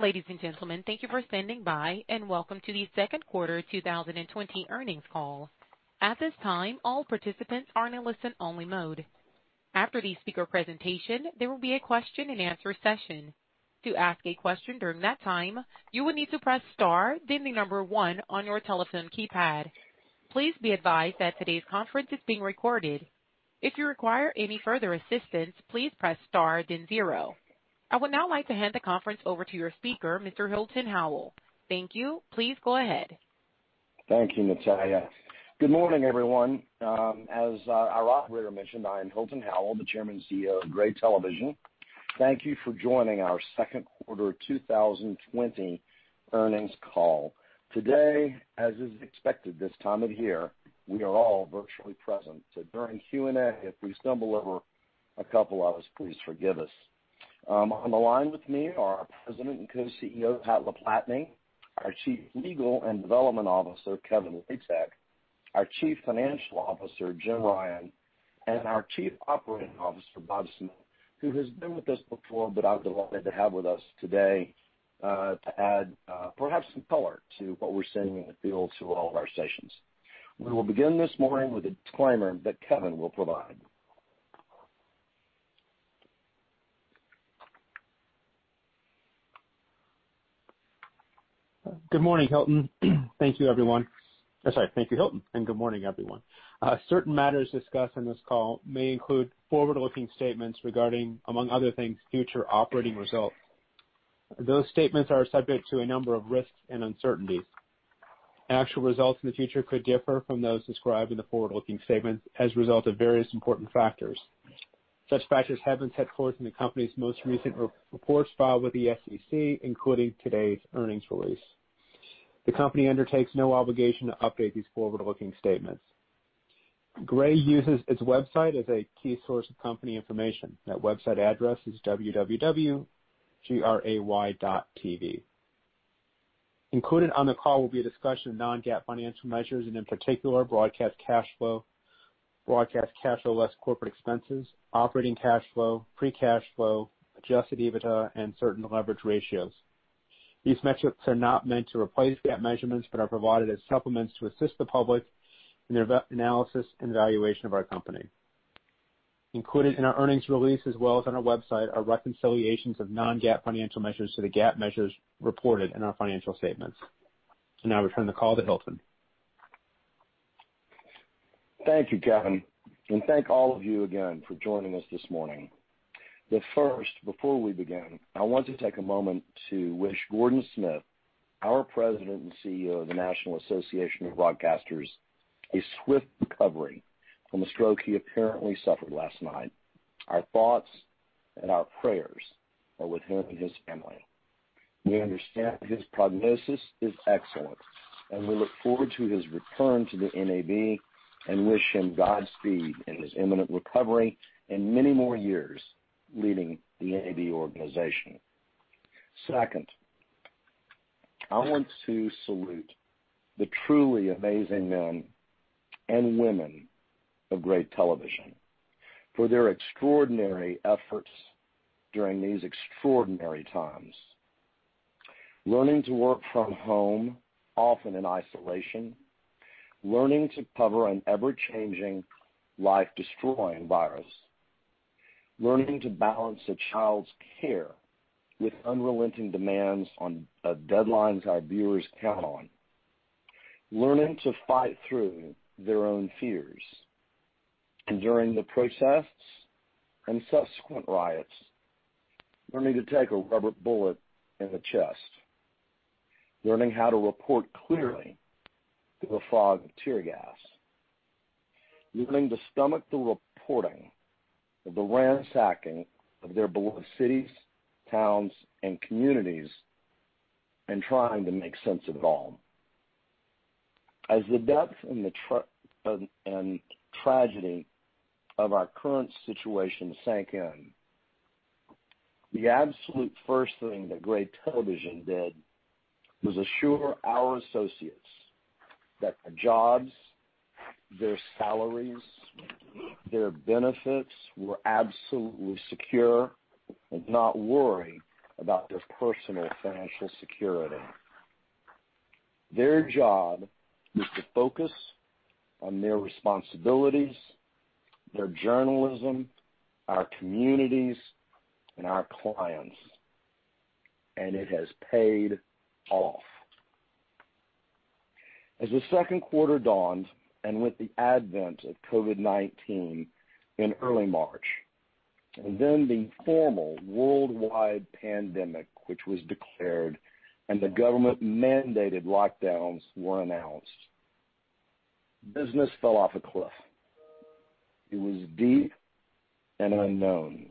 Ladies and gentlemen, thank you for standing by, and welcome to the second quarter 2020 earnings call. At this time, all participants are in a listen-only mode. After the speaker presentation, there will be a question and answer session. To ask a question during that time, you will need to press star then the number one on your telephone keypad. Please be advised that today's conference is being recorded. If you require any further assistance, please press star then zero. I would now like to hand the conference over to your speaker, Mr. Hilton Howell. Thank you. Please go ahead. Thank you, Natalia. Good morning, everyone. As our operator mentioned, I am Hilton Howell, the Chairman and CEO of Gray Television. Thank you for joining our second quarter 2020 earnings call. Today, as is expected this time of year, we are all virtually present. During Q&A, if we stumble over a couple of us, please forgive us. On the line with me are our President and Co-CEO, Pat LaPlatney, our Chief Legal and Development Officer, Kevin Latek, our Chief Financial Officer, Jim Ryan, and our Chief Operating Officer, Bob Smith, who has been with us before, but I'm delighted to have with us today to add perhaps some color to what we're seeing in the field to all of our sessions. We will begin this morning with a disclaimer that Kevin will provide. Good morning, Hilton. Thank you, everyone. I'm sorry. Thank you, Hilton, and good morning, everyone. Certain matters discussed on this call may include forward-looking statements regarding, among other things, future operating results. Those statements are subject to a number of risks and uncertainties. Actual results in the future could differ from those described in the forward-looking statements as a result of various important factors. Such factors have been set forth in the company's most recent reports filed with the SEC, including today's earnings release. The company undertakes no obligation to update these forward-looking statements. Gray uses its website as a key source of company information. That website address is www.gray.tv. Included on the call will be a discussion of non-GAAP financial measures and in particular, broadcast cash flow, broadcast cash flow less corporate expenses, operating cash flow, free cash flow, adjusted EBITDA, and certain leverage ratios. These metrics are not meant to replace GAAP measurements but are provided as supplements to assist the public in their analysis and valuation of our company. Included in our earnings release as well as on our website are reconciliations of non-GAAP financial measures to the GAAP measures reported in our financial statements. Now I return the call to Hilton. Thank you, Kevin, and thank all of you again for joining us this morning. First, before we begin, I want to take a moment to wish Gordon Smith, our President and CEO of the National Association of Broadcasters, a swift recovery from a stroke he apparently suffered last night. Our thoughts and our prayers are with him and his family. We understand his prognosis is excellent, and we look forward to his return to the NAB and wish him Godspeed in his imminent recovery and many more years leading the NAB organization. Second, I want to salute the truly amazing men and women of Gray Television for their extraordinary efforts during these extraordinary times. Learning to work from home, often in isolation, learning to cover an ever-changing, life-destroying virus, learning to balance a child's care with unrelenting demands on deadlines our viewers count on, learning to fight through their own fears, enduring the protests and subsequent riots, learning to take a rubber bullet in the chest, learning how to report clearly through the fog of tear gas, learning to stomach the reporting of the ransacking of their beloved cities, towns, and communities, and trying to make sense of it all. As the depth and tragedy of our current situation sank in, the absolute first thing that Gray Television did was assure our associates that their jobs, their salaries, their benefits were absolutely secure and to not worry about their personal financial security. Their job was to focus on their responsibilities, their journalism, our communities, and our clients, and it has paid off. As the second quarter dawned and with the advent of COVID-19 in early March, and then the formal worldwide pandemic which was declared and the government-mandated lockdowns were announced, business fell off a cliff. It was deep and unknown.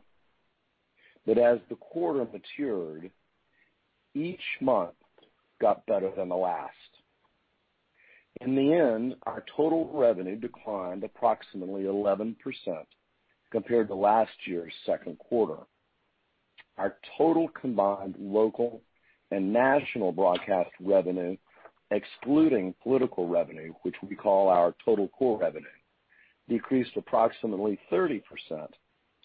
As the quarter matured, each month got better than the last. In the end, our total revenue declined approximately 11% compared to last year's second quarter. Our total combined local and national broadcast revenue, excluding political revenue, which we call our total core revenue, decreased approximately 30%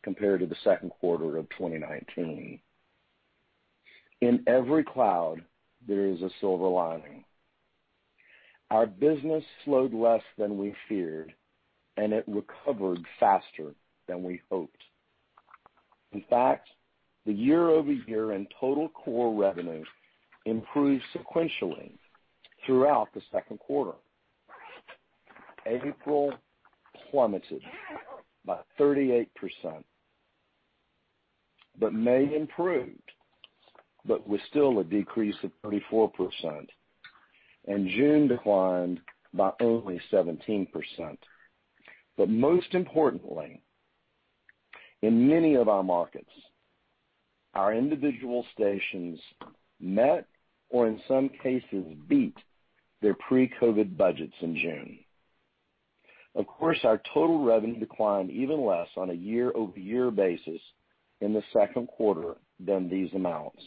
compared to the second quarter of 2019. In every cloud, there is a silver lining. Our business slowed less than we feared, and it recovered faster than we hoped. In fact, the year-over-year in total core revenue improved sequentially throughout the second quarter. April plummeted by 38%, but May improved, but was still a decrease of 34%, and June declined by only 17%. Most importantly, in many of our markets, our individual stations met or in some cases, beat their pre-COVID budgets in June. Of course, our total revenue declined even less on a year-over-year basis in the second quarter than these amounts.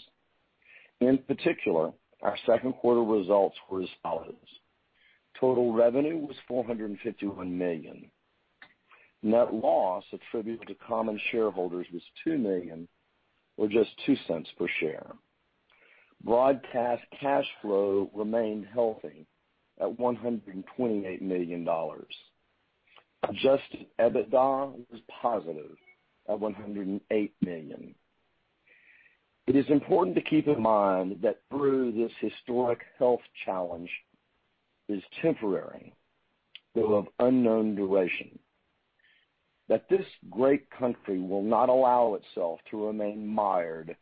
In particular, our second quarter results were as follows: Total revenue was $451 million. Net loss attributable to common shareholders was $2 million, or just $0.02 per share. Broadcast cash flow remained healthy at $128 million. Adjusted EBITDA was positive at $108 million. It is important to keep in mind that through this historic health challenge is temporary, though of unknown duration, that this great country will not allow itself to remain mired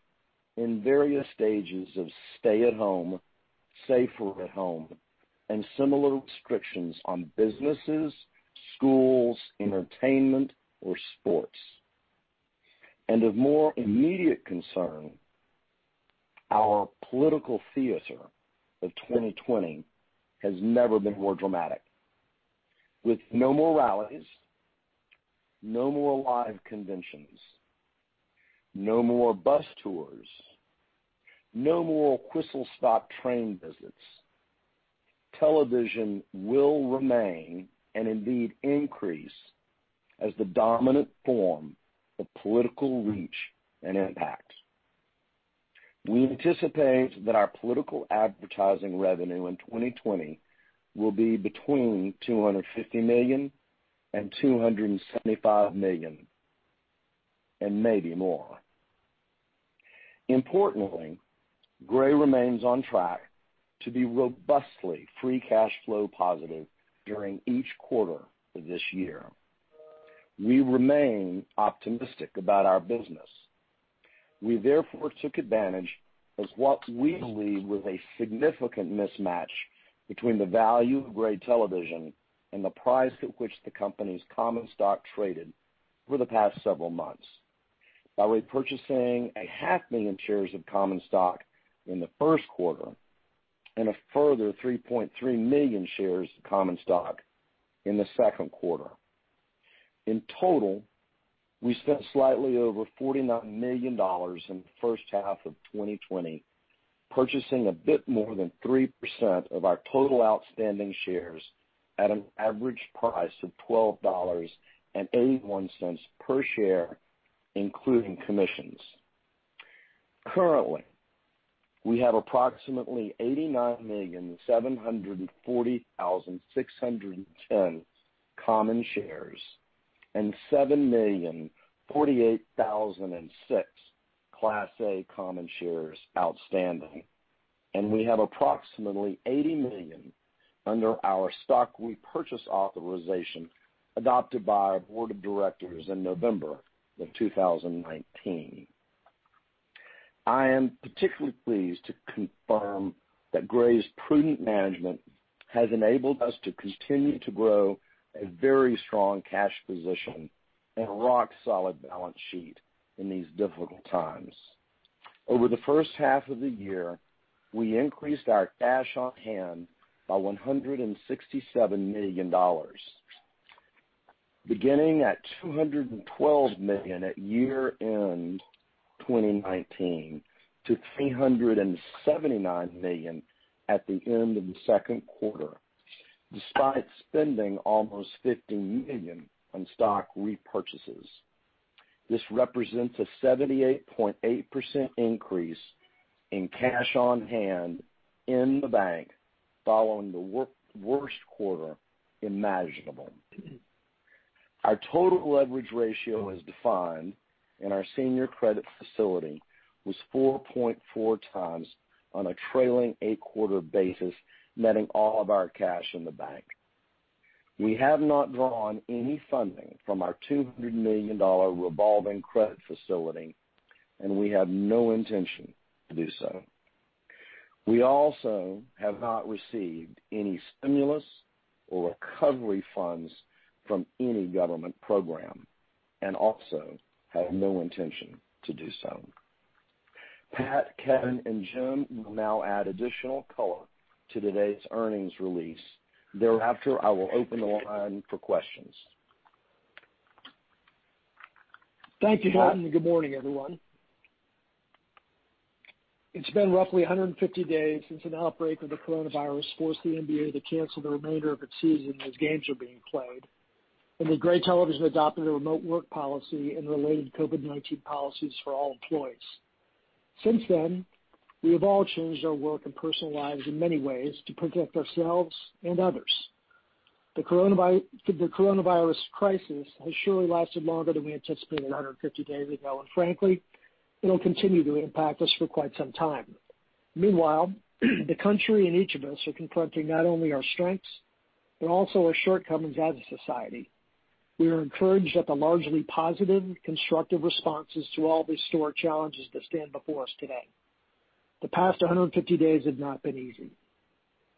in various stages of stay at home, safer at home, and similar restrictions on businesses, schools, entertainment, or sports. Of more immediate concern, our political theater of 2020 has never been more dramatic. With no more rallies, no more live conventions, no more bus tours, no more whistle-stop train visits, television will remain, and indeed increase, as the dominant form of political reach and impact. We anticipate that our political advertising revenue in 2020 will be between $250 million and $275 million, and maybe more. Importantly, Gray remains on track to be robustly free cash flow positive during each quarter of this year. We remain optimistic about our business. We therefore took advantage of what we believe was a significant mismatch between the value of Gray Television and the price at which the company's common stock traded for the past several months by repurchasing a half million shares of common stock in the first quarter and a further 3.3 million shares of common stock in the second quarter. In total, we spent slightly over $49 million in the first half of 2020, purchasing a bit more than 3% of our total outstanding shares at an average price of $12.81 per share, including commissions. Currently, we have approximately 89,740,610 common shares and 7,048,006 Class A common shares outstanding, and we have approximately 80 million under our stock repurchase authorization adopted by our board of directors in November of 2019. I am particularly pleased to confirm that Gray's prudent management has enabled us to continue to grow a very strong cash position and a rock-solid balance sheet in these difficult times. Over the first half of the year, we increased our cash on hand by $167 million, beginning at $212 million at year-end 2019 to $379 million at the end of the second quarter, despite spending almost $50 million on stock repurchases. This represents a 78.8% increase in cash on hand in the bank following the worst quarter imaginable. Our total leverage ratio, as defined in our senior credit facility, was 4.4 times on a trailing eight-quarter basis, netting all of our cash in the bank. We have not drawn any funding from our $200 million revolving credit facility, and we have no intention to do so. We also have not received any stimulus or recovery funds from any government program and also have no intention to do so. Pat, Kevin, and Jim will now add additional color to today's earnings release. Thereafter, I will open the line for questions. Thank you, Hilton, and good morning, everyone. It's been roughly 150 days since an outbreak of the coronavirus forced the NBA to cancel the remainder of its season as games were being played, and where Gray Television adopted a remote work policy and related COVID-19 policies for all employees. Since then, we have all changed our work and personal lives in many ways to protect ourselves and others. The coronavirus crisis has surely lasted longer than we anticipated 150 days ago, and frankly, it'll continue to impact us for quite some time. Meanwhile, the country and each of us are confronting not only our strengths but also our shortcomings as a society. We are encouraged at the largely positive, constructive responses to all these historic challenges that stand before us today. The past 150 days have not been easy.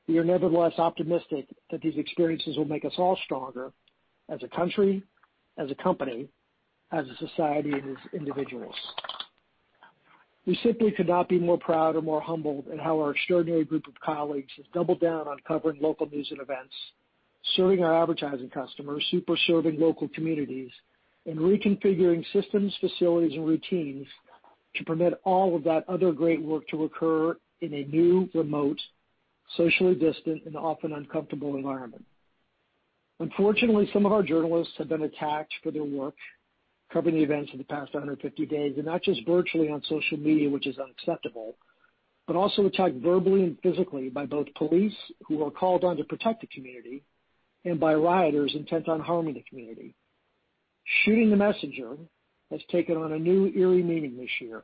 We are nevertheless optimistic that these experiences will make us all stronger as a country, as a company, as a society, and as individuals. We simply could not be more proud or more humbled at how our extraordinary group of colleagues has doubled down on covering local news and events, serving our advertising customers, super serving local communities, and reconfiguring systems, facilities, and routines to permit all of that other great work to occur in a new remote, socially distant, and often uncomfortable environment. Unfortunately, some of our journalists have been attacked for their work covering the events of the past 150 days, and not just virtually on social media, which is unacceptable, but also attacked verbally and physically by both police who are called on to protect the community and by rioters intent on harming the community. Shooting the messenger has taken on a new eerie meaning this year.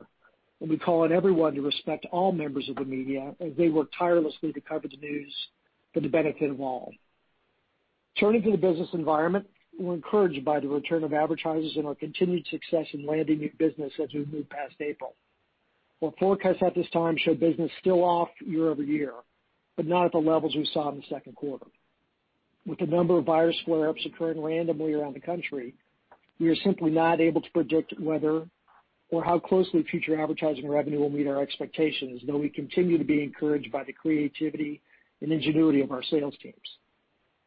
We call on everyone to respect all members of the media as they work tirelessly to cover the news for the benefit of all. Turning to the business environment, we're encouraged by the return of advertisers and our continued success in landing new business as we move past April. Our forecasts at this time show business still off year-over-year, not at the levels we saw in the second quarter. With the number of virus flare-ups occurring randomly around the country, we are simply not able to predict whether or how closely future advertising revenue will meet our expectations, though we continue to be encouraged by the creativity and ingenuity of our sales teams.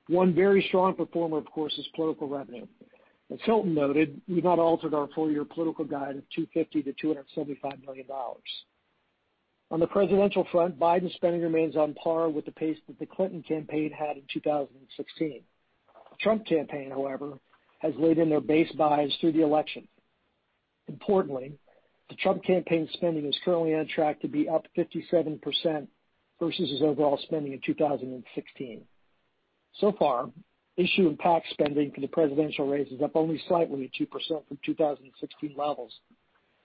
One very strong performer, of course, is political revenue. As Hilton noted, we've not altered our full year political guide of $250 million-$275 million. On the presidential front, Biden's spending remains on par with the pace that the Clinton campaign had in 2016. The Trump campaign, however, has laid in their base buys through the election. Importantly, the Trump campaign spending is currently on track to be up 57% versus his overall spending in 2016. So far, issue and PAC spending for the presidential race is up only slightly at 2% from 2016 levels,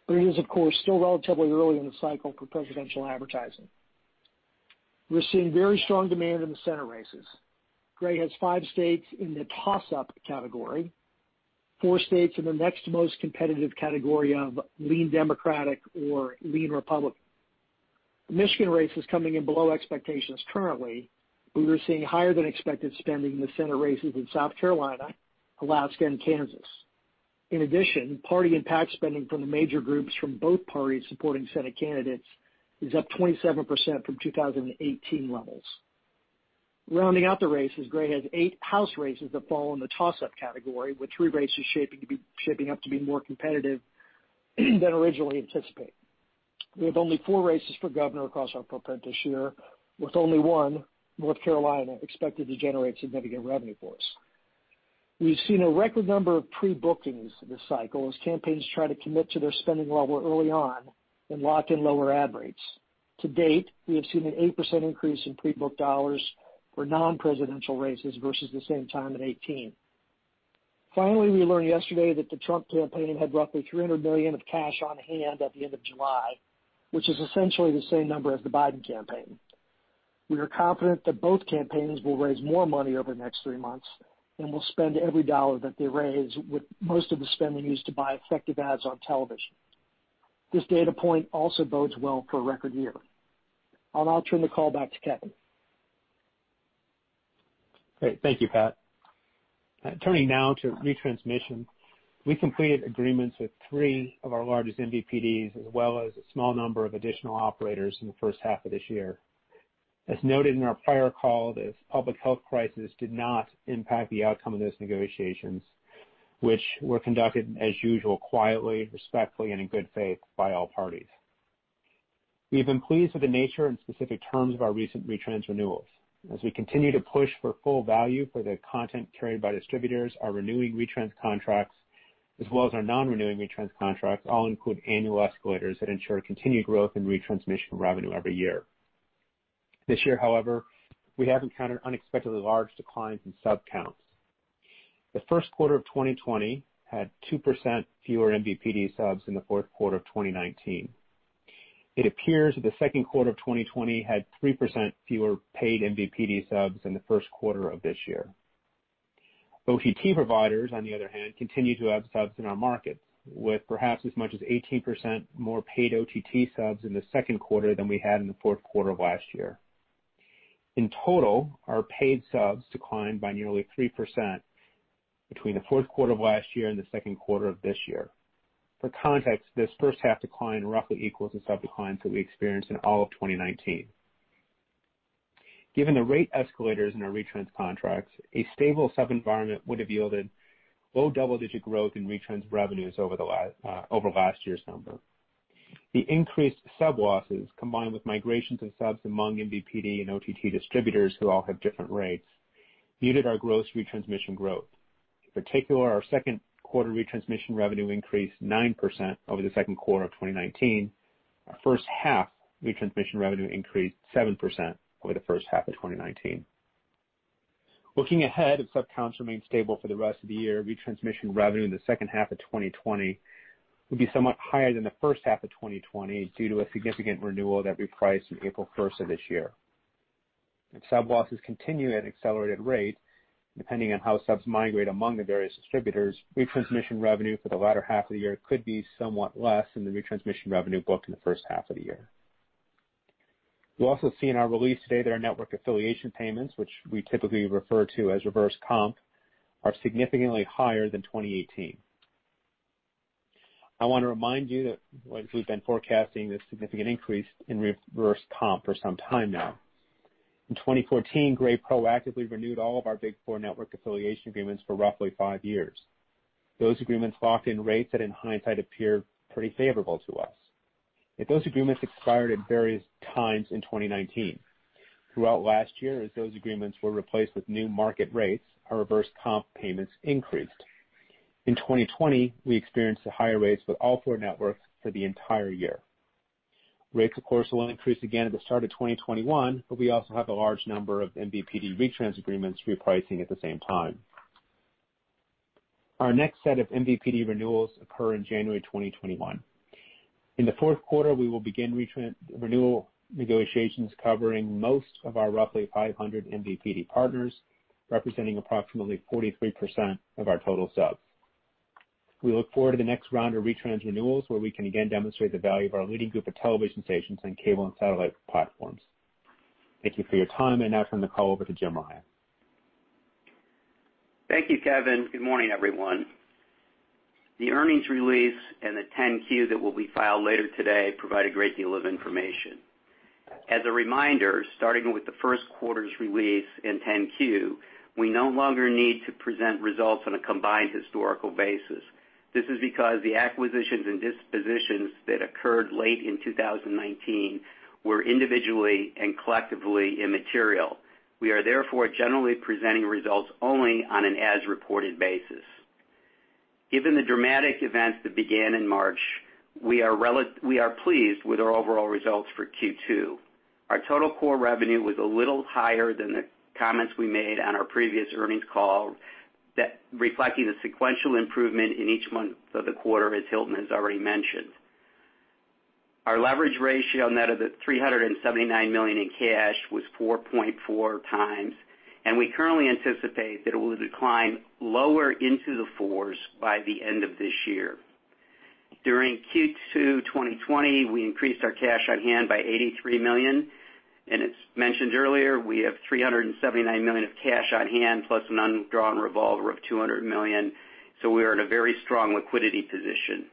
it is, of course, still relatively early in the cycle for presidential advertising. We're seeing very strong demand in the Senate races. Gray has five states in the toss-up category, four states in the next most competitive category of lean Democratic or lean Republican. The Michigan race is coming in below expectations currently, but we are seeing higher than expected spending in the Senate races in South Carolina, Alaska, and Kansas. In addition, party and PAC spending from the major groups from both parties supporting Senate candidates is up 27% from 2018 levels. Rounding out the races, Gray has eight House races that fall in the toss-up category, with three races shaping up to be more competitive than originally anticipated. We have only four races for governor across our footprint this year, with only one, North Carolina, expected to generate significant revenue for us. We've seen a record number of pre-bookings this cycle as campaigns try to commit to their spending level early on and lock in lower ad rates. To date, we have seen an 8% increase in pre-booked dollars for non-presidential races versus the same time in 2018. Finally, we learned yesterday that the Trump campaign had roughly $300 million of cash on hand at the end of July, which is essentially the same number as the Biden campaign. We are confident that both campaigns will raise more money over the next three months and will spend every dollar that they raise with most of the spending used to buy effective ads on television. This data point also bodes well for a record year. I'll now turn the call back to Kevin. Great. Thank you, Pat. Turning now to retransmission. We completed agreements with three of our largest MVPDs as well as a small number of additional operators in the first half of this year. As noted in our prior call, this public health crisis did not impact the outcome of those negotiations, which were conducted, as usual, quietly, respectfully, and in good faith by all parties. We've been pleased with the nature and specific terms of our recent retrans renewals. As we continue to push for full value for the content carried by distributors, our renewing retrans contracts as well as our non-renewing retrans contracts all include annual escalators that ensure continued growth in retransmission revenue every year. This year, however, we have encountered unexpectedly large declines in sub counts. The first quarter of 2020 had 2% fewer MVPD subs than the fourth quarter of 2019. It appears that the second quarter of 2020 had 3% fewer paid MVPD subs than the first quarter of this year. OTT providers, on the other hand, continue to add subs in our markets, with perhaps as much as 18% more paid OTT subs in the second quarter than we had in the fourth quarter of last year. In total, our paid subs declined by nearly 3% between the fourth quarter of last year and the second quarter of this year. For context, this first half decline roughly equals the sub declines that we experienced in all of 2019. Given the rate escalators in our retrans contracts, a stable sub environment would have yielded low double-digit growth in retrans revenues over last year's number. The increased sub losses, combined with migrations and subs among MVPD and OTT distributors who all have different rates, muted our gross retransmission growth. In particular, our second quarter retransmission revenue increased 9% over the second quarter of 2019. Our first half retransmission revenue increased 7% over the first half of 2019. Looking ahead, if sub counts remain stable for the rest of the year, retransmission revenue in the second half of 2020 will be somewhat higher than the first half of 2020 due to a significant renewal that repriced on April 1st of this year. If sub losses continue at an accelerated rate, depending on how subs migrate among the various distributors, retransmission revenue for the latter half of the year could be somewhat less than the retransmission revenue booked in the first half of the year. You'll also see in our release today that our network affiliation payments, which we typically refer to as reverse comp, are significantly higher than 2018. I want to remind you that we've been forecasting this significant increase in reverse comp for some time now. In 2014, Gray proactively renewed all of our Big Four network affiliation agreements for roughly five years. Those agreements locked in rates that in hindsight appear pretty favorable to us. Those agreements expired at various times in 2019. Throughout last year, as those agreements were replaced with new market rates, our reverse comp payments increased. In 2020, we experienced the higher rates with all four networks for the entire year. Rates, of course, will increase again at the start of 2021, we also have a large number of MVPD retrans agreements repricing at the same time. Our next set of MVPD renewals occur in January 2021. In the fourth quarter, we will begin renewal negotiations covering most of our roughly 500 MVPD partners, representing approximately 43% of our total subs. We look forward to the next round of retrans renewals, where we can again demonstrate the value of our leading group of television stations on cable and satellite platforms. Thank you for your time, and now turn the call over to Jim Ryan. Thank you, Kevin. Good morning, everyone. The earnings release and the 10-Q that will be filed later today provide a great deal of information. As a reminder, starting with the first quarter's release and 10-Q, we no longer need to present results on a combined historical basis. This is because the acquisitions and dispositions that occurred late in 2019 were individually and collectively immaterial. We are therefore generally presenting results only on an as-reported basis. Given the dramatic events that began in March, we are pleased with our overall results for Q2. Our total core revenue was a little higher than the comments we made on our previous earnings call, reflecting the sequential improvement in each month of the quarter, as Hilton has already mentioned. Our leverage ratio net of the $379 million in cash was 4.4 times. We currently anticipate that it will decline lower into the fours by the end of this year. During Q2 2020, we increased our cash on hand by $83 million. As mentioned earlier, we have $379 million of cash on hand, plus an undrawn revolver of $200 million. We are in a very strong liquidity position.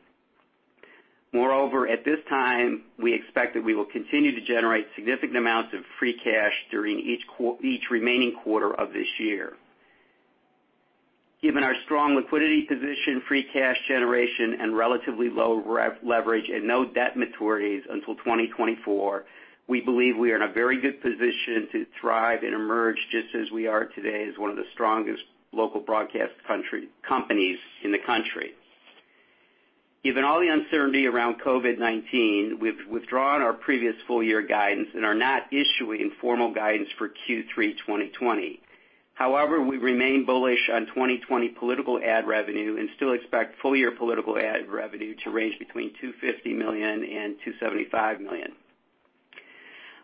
Moreover, at this time, we expect that we will continue to generate significant amounts of free cash during each remaining quarter of this year. Given our strong liquidity position, free cash generation, and relatively low leverage and no debt maturities until 2024, we believe we are in a very good position to thrive and emerge just as we are today as one of the strongest local broadcast companies in the country. Given all the uncertainty around COVID-19, we've withdrawn our previous full-year guidance and are not issuing formal guidance for Q3 2020. We remain bullish on 2020 political ad revenue and still expect full-year political ad revenue to range between $250 million and $275 million.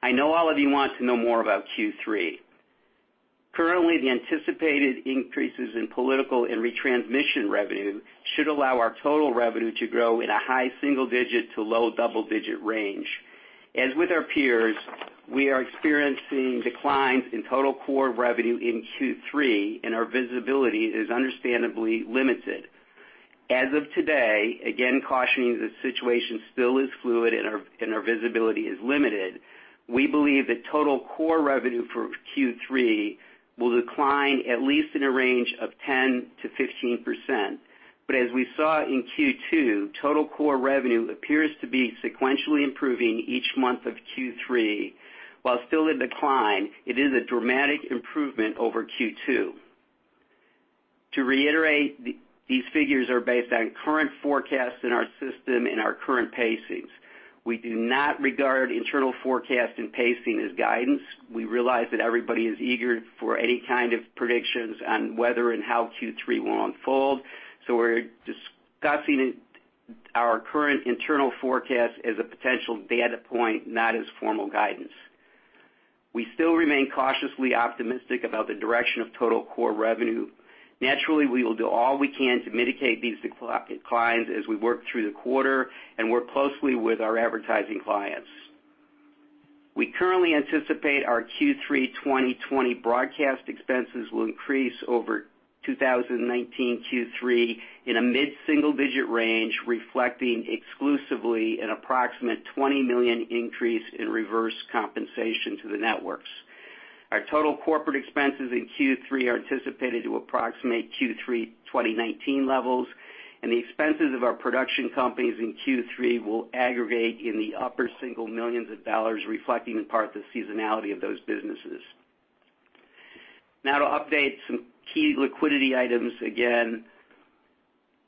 I know all of you want to know more about Q3. Currently, the anticipated increases in political and retransmission revenue should allow our total revenue to grow in a high single digit to low double digit range. As with our peers, we are experiencing declines in total core revenue in Q3 and our visibility is understandably limited. As of today, again cautioning that the situation still is fluid and our visibility is limited, we believe that total core revenue for Q3 will decline at least in a range of 10%-15%. As we saw in Q2, total core revenue appears to be sequentially improving each month of Q3. While still in decline, it is a dramatic improvement over Q2. To reiterate, these figures are based on current forecasts in our system and our current pacings. We do not regard internal forecast and pacing as guidance. We realize that everybody is eager for any kind of predictions on whether and how Q3 will unfold, so we are discussing our current internal forecast as a potential data point, not as formal guidance. We still remain cautiously optimistic about the direction of total core revenue. Naturally, we will do all we can to mitigate these declines as we work through the quarter and work closely with our advertising clients. We currently anticipate our Q3 2020 broadcast expenses will increase over 2019 Q3 in a mid-single digit range, reflecting exclusively an approximate $20 million increase in reverse compensation to the networks. Our total corporate expenses in Q3 are anticipated to approximate Q3 2019 levels, and the expenses of our production companies in Q3 will aggregate in the upper single millions of dollars, reflecting in part the seasonality of those businesses. Now to update some key liquidity items. Again,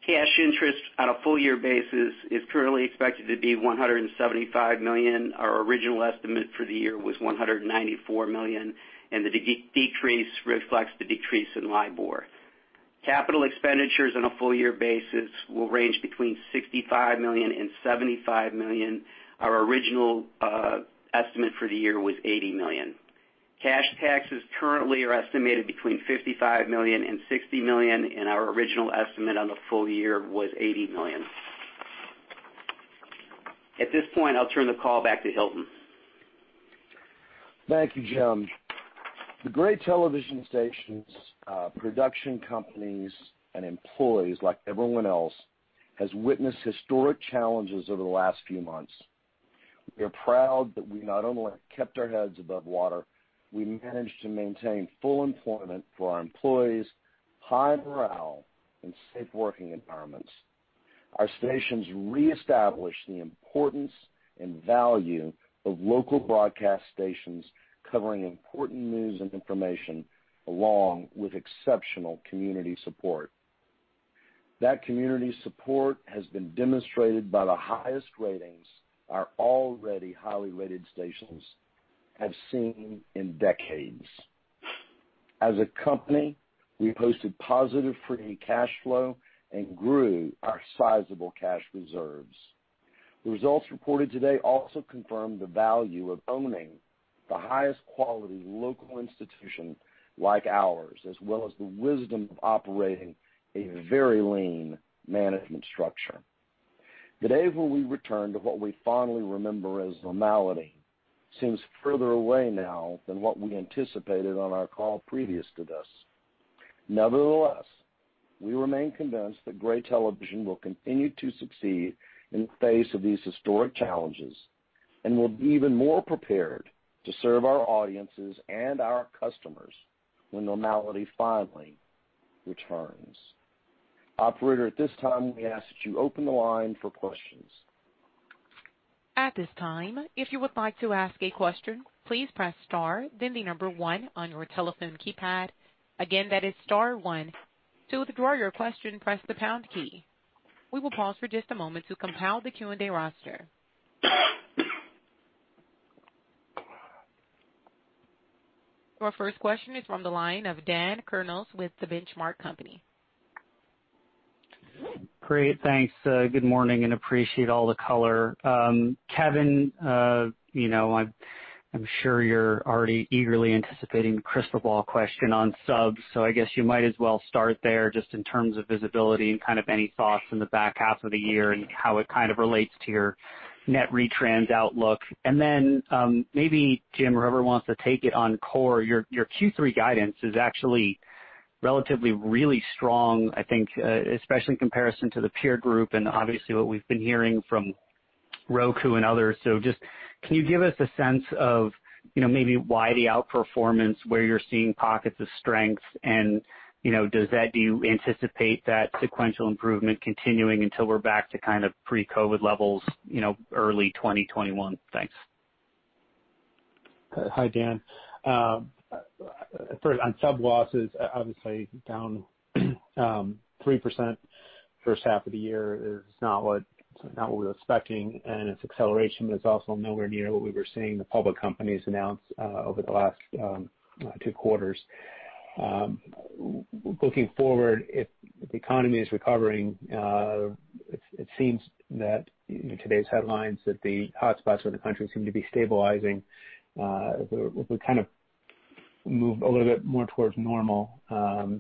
cash interest on a full year basis is currently expected to be $175 million. Our original estimate for the year was $194 million, and the decrease reflects the decrease in LIBOR. Capital expenditures on a full year basis will range between $65 million and $75 million. Our original estimate for the year was $80 million. Cash taxes currently are estimated between $55 million and $60 million. Our original estimate on the full year was $80 million. At this point, I'll turn the call back to Hilton. Thank you, Jim. The Gray Television stations, production companies, and employees, like everyone else, has witnessed historic challenges over the last few months. We are proud that we not only kept our heads above water, we managed to maintain full employment for our employees, high morale, and safe working environments. Our stations reestablished the importance and value of local broadcast stations covering important news and information, along with exceptional community support. That community support has been demonstrated by the highest ratings our already highly rated stations have seen in decades. As a company, we posted positive free cash flow and grew our sizable cash reserves. The results reported today also confirm the value of owning the highest quality local institution like ours, as well as the wisdom of operating a very lean management structure. The day when we return to what we fondly remember as normality seems further away now than what we anticipated on our call previous to this. Nevertheless, we remain convinced that Gray Television will continue to succeed in the face of these historic challenges and will be even more prepared to serve our audiences and our customers when normality finally returns. Operator, at this time, we ask that you open the line for questions. At this time if you like to ask a question, please press star then the number one on your telephone keypad. Again that is star one. To withdraw your question press the pound key. We will pause for just a moment to compile the Q&A roster. Our first question is from the line of Daniel Kurnos with The Benchmark Company. Great. Thanks. Good morning, and appreciate all the color. Kevin, I'm sure you're already eagerly anticipating the crystal ball question on subs, so I guess you might as well start there just in terms of visibility and kind of any thoughts on the back half of the year and how it kind of relates to your net retrans outlook. Maybe Jim or whoever wants to take it on core, your Q3 guidance is actually relatively really strong, I think, especially in comparison to the peer group and obviously what we've been hearing from Roku and others. Just can you give us a sense of maybe why the outperformance, where you're seeing pockets of strength, and do you anticipate that sequential improvement continuing until we're back to kind of pre-COVID-19 levels early 2021? Thanks. Hi, Dan. First on sub losses, obviously down 3% first half of the year is not what we were expecting, and its acceleration was also nowhere near what we were seeing the public companies announce over the last two quarters. Looking forward, if the economy is recovering, it seems that in today's headlines that the hotspots of the country seem to be stabilizing. If we kind of move a little bit more towards normal,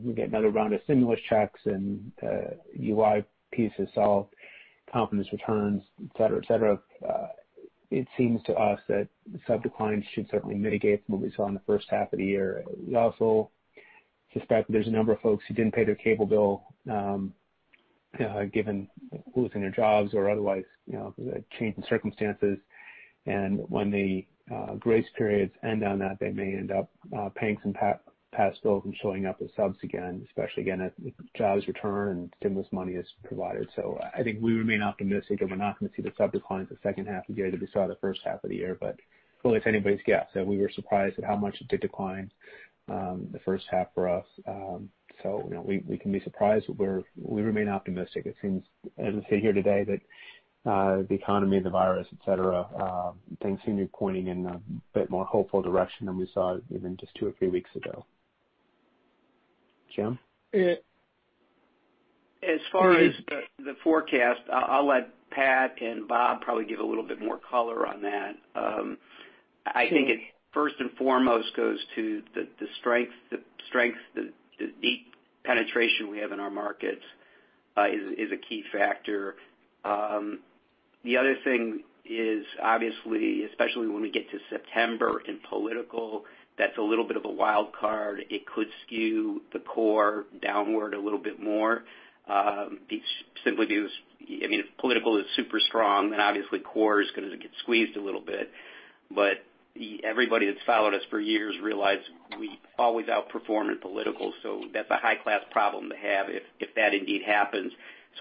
we get another round of stimulus checks and UI piece is solved, confidence returns, et cetera. It seems to us that sub declines should certainly mitigate what we saw in the first half of the year. We also suspect that there's a number of folks who didn't pay their cable bill, given losing their jobs or otherwise change in circumstances. When the grace periods end on that they may end up paying some past bills and showing up as subs again, especially again, as jobs return and stimulus money is provided. I think we remain optimistic that we're not going to see the sub declines the second half of the year that we saw the first half of the year. It's anybody's guess. We were surprised at how much it did decline the first half for us. We can be surprised, but we remain optimistic. It seems, as I sit here today, that the economy, the virus, et cetera, things seem to be pointing in a bit more hopeful direction than we saw even just two or three weeks ago. Jim? As far as the forecast, I'll let Pat and Bob probably give a little bit more color on that. I think it first and foremost goes to the strength, the deep penetration we have in our markets is a key factor. The other thing is obviously, especially when we get to September in political, that's a little bit of a wild card. It could skew the core downward a little bit more. Simply because, if political is super strong, obviously core is going to get squeezed a little bit. Everybody that's followed us for years realize we always outperform in political. That's a high-class problem to have if that indeed happens.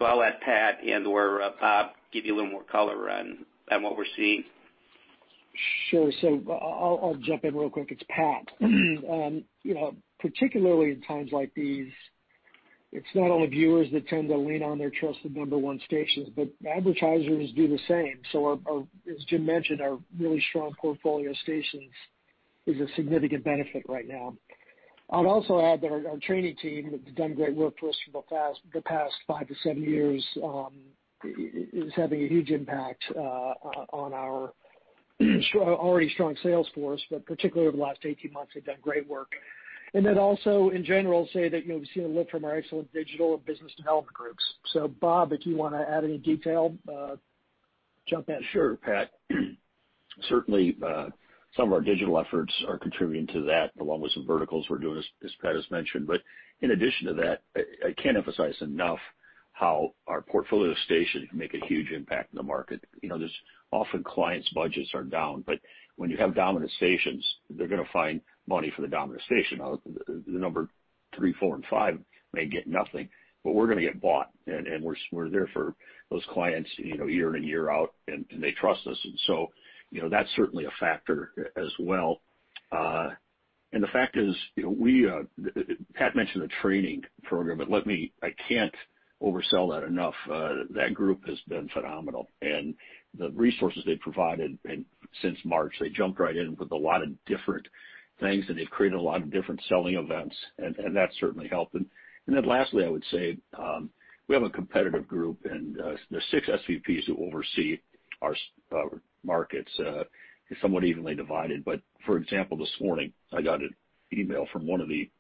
I'll let Pat and/or Bob give you a little more color on what we're seeing. Sure. I'll jump in real quick. It's Pat. Particularly in times like these, it's not only viewers that tend to lean on their trusted number one stations, but advertisers do the same. As Jim mentioned, our really strong portfolio of stations is a significant benefit right now. I'd also add that our training team, that's done great work for us for the past five to seven years, is having a huge impact on our already strong sales force, but particularly over the last 18 months, they've done great work. Also in general, say that we've seen a lift from our excellent digital and business development groups. Bob, if you want to add any detail, jump in. Sure, Pat. Certainly, some of our digital efforts are contributing to that, along with some verticals we're doing, as Pat has mentioned. In addition to that, I can't emphasize enough how our portfolio of stations can make a huge impact in the market. Often clients' budgets are down, but when you have dominant stations, they're going to find money for the dominant station. Now, the number three, four, and five may get nothing, but we're going to get bought, and we're there for those clients year in and year out, and they trust us, and so that's certainly a factor as well. The fact is, Pat mentioned the training program, but I can't oversell that enough. That group has been phenomenal and the resources they've provided since March, they jumped right in with a lot of different things, they've created a lot of different selling events, and that's certainly helped. Then lastly, I would say, we have a competitive group and there's six SVPs who oversee our markets. It's somewhat evenly divided, for example, this morning I got an email from one of the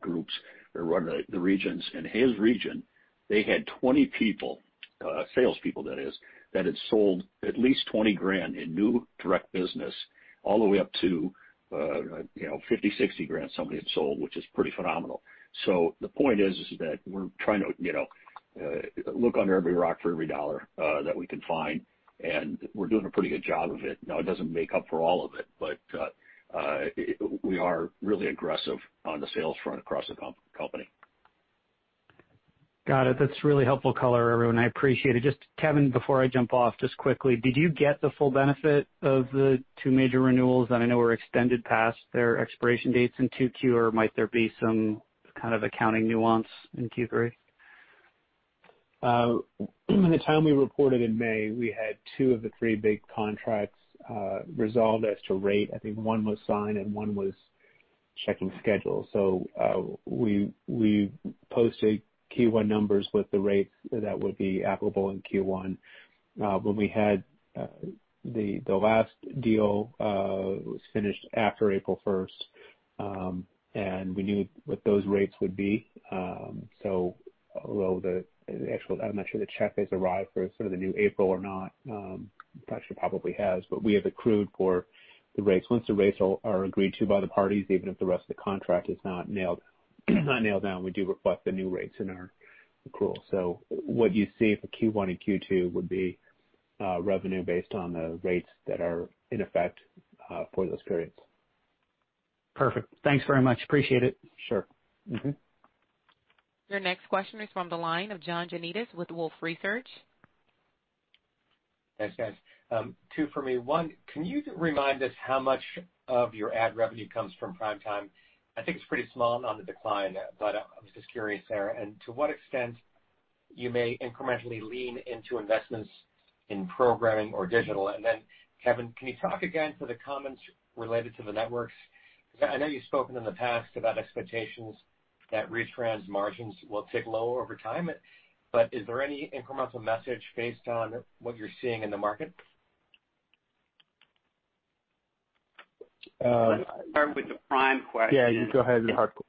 groups that run the regions. In his region, they had 20 people, salespeople that is, that had sold at least $20,000 in new direct business all the way up to $50,000, $60,000 somebody had sold, which is pretty phenomenal. The point is that we're trying to look under every rock for every dollar that we can find, we're doing a pretty good job of it. Now, it doesn't make up for all of it, but we are really aggressive on the sales front across the company. Got it. That's really helpful color, everyone. I appreciate it. Just Kevin, before I jump off, just quickly, did you get the full benefit of the two major renewals that I know were extended past their expiration dates in 2Q, or might there be some kind of accounting nuance in Q3? The time we reported in May, we had two of the three big contracts resolved as to rate. I think one was signed and one was checking schedule. We posted Q1 numbers with the rates that would be applicable in Q1. When we had the last deal was finished after April 1st, and we knew what those rates would be. Although the actual, I'm not sure the check has arrived for sort of the new April or not. It actually probably has, we have accrued for the rates. Once the rates are agreed to by the parties, even if the rest of the contract is not nailed down, we do reflect the new rates in our accrual. What you see for Q1 and Q2 would be revenue based on the rates that are in effect for those periods. Perfect. Thanks very much. Appreciate it. Sure. Mm-hmm. Your next question is from the line of John Janedis with Wolfe Research. Thanks, guys. Two for me. One, can you remind us how much of your ad revenue comes from prime time? I think it's pretty small on the decline, but I was just curious there. To what extent you may incrementally lean into investments in programming or digital? Then Kevin, can you talk again to the comments related to the networks? Because I know you've spoken in the past about expectations that retrans margins will tick lower over time, but is there any incremental message based on what you're seeing in the market? Let's start with the prime question. Yeah, you can go ahead with the hard question.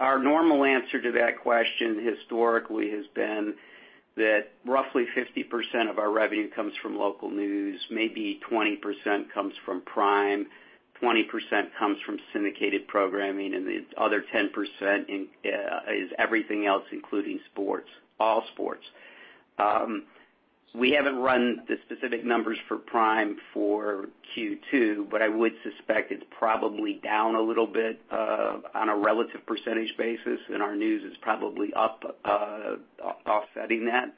Our normal answer to that question historically has been that roughly 50% of our revenue comes from local news, maybe 20% comes from prime, 20% comes from syndicated programming, and the other 10% is everything else, including sports, all sports. We haven't run the specific numbers for prime for Q2, but I would suspect it's probably down a little bit on a relative percentage basis, and our news is probably up offsetting that.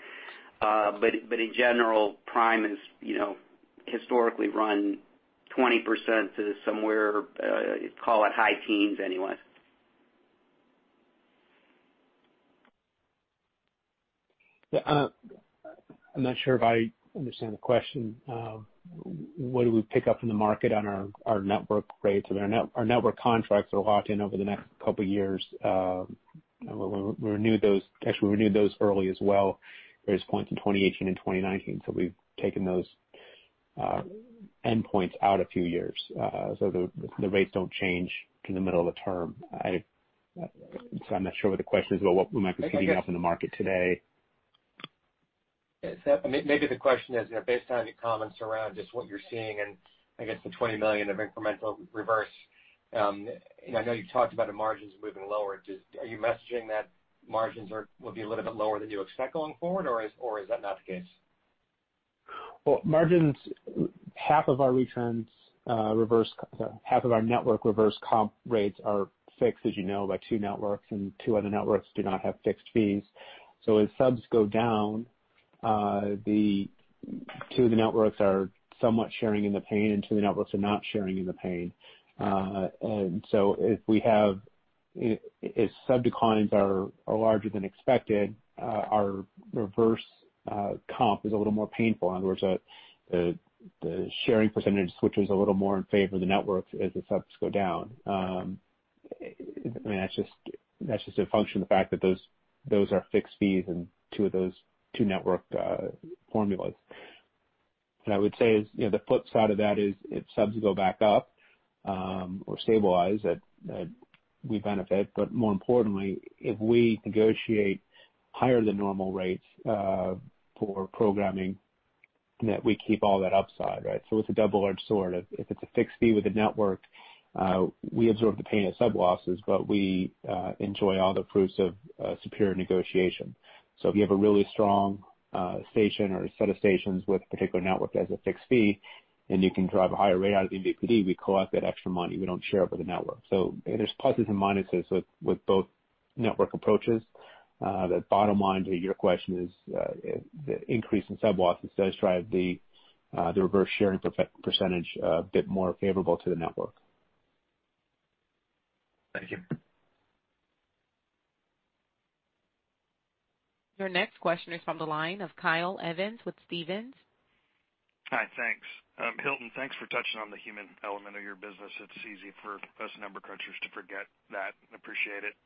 In general, prime has historically run 20% to somewhere, call it high teens anyway. Yeah. I'm not sure if I understand the question. What do we pick up in the market on our network rates or our network contracts are locked in over the next couple of years. We renewed those early as well, various points in 2018 and 2019, we've taken those end points out a few years. The rates don't change in the middle of the term. I'm not sure what the question is about what we might be seeing out in the market today. Maybe the question is, based on your comments around just what you're seeing and, I guess, the $20 million of incremental reverse. I know you talked about the margins moving lower. Are you messaging that margins will be a little bit lower than you expect going forward, or is that not the case? Margins, half of our network reverse comp rates are fixed, as you know, by two networks, and two other networks do not have fixed fees. As subs go down, two of the networks are somewhat sharing in the pain, and two of the networks are not sharing in the pain. If sub declines are larger than expected, our reverse comp is a little more painful. In other words, the sharing percentage switches a little more in favor of the networks as the subs go down. That's just a function of the fact that those are fixed fees and two network formulas. What I would say is, the flip side of that is if subs go back up or stabilize, we benefit. More importantly, if we negotiate higher than normal rates for programming, net we keep all that upside. Right? It's a double-edged sword. If it's a fixed fee with a network, we absorb the pain of sub losses. We enjoy all the fruits of superior negotiation. If you have a really strong station or a set of stations with a particular network that has a fixed fee, and you can drive a higher rate out of the MVPD, we collect that extra money. We don't share it with a network. There's pluses and minuses with both network approaches. The bottom line to your question is the increase in sub losses does drive the reverse sharing percentage a bit more favorable to the network. Thank you. Your next question is from the line of Kyle Evans with Stephens. Hi, thanks. Hilton, thanks for touching on the human element of your business. It's easy for us number crunchers to forget that. Appreciate it.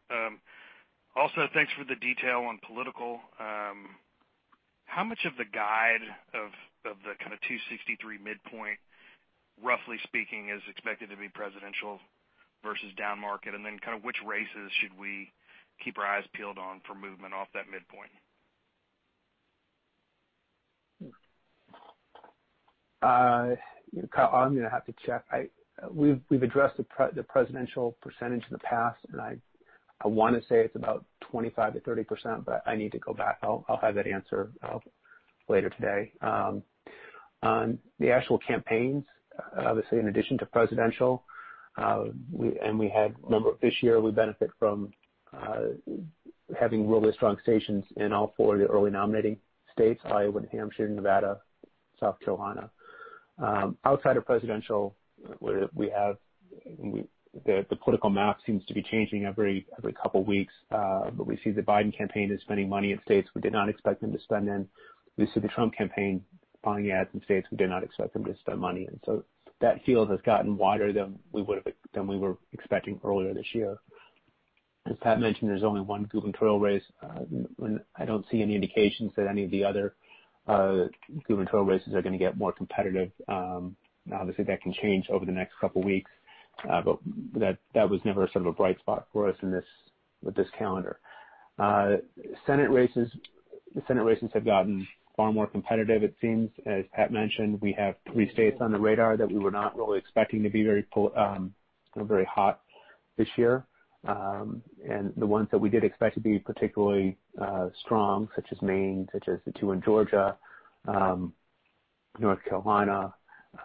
Thanks for the detail on political. How much of the guide of the kind of $263 midpoint, roughly speaking, is expected to be presidential versus down market? Which races should we keep our eyes peeled on for movement off that midpoint? Kyle, I'm going to have to check. We've addressed the presidential percentage in the past, and I want to say it's about 25%-30%, but I need to go back. I'll have that answer later today. On the actual campaigns, obviously in addition to presidential, and remember this year we benefit from having really strong stations in all four of the early nominating states, Iowa, New Hampshire, Nevada, South Carolina. Outside of presidential, the political map seems to be changing every couple of weeks. We see the Biden campaign is spending money in states we did not expect them to spend in. We see the Trump campaign buying ads in states we did not expect them to spend money in. That field has gotten wider than we were expecting earlier this year. As Pat mentioned, there's only one gubernatorial race. I don't see any indications that any of the other gubernatorial races are going to get more competitive. Obviously, that can change over the next couple of weeks. That was never sort of a bright spot for us with this calendar. Senate races have gotten far more competitive, it seems. As Pat mentioned, we have three states on the radar that we were not really expecting to be very hot this year. The ones that we did expect to be particularly strong, such as Maine, such as the two in Georgia, North Carolina.